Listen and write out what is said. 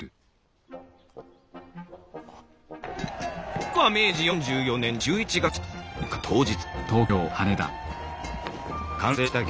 時は明治４４年１１月１９日。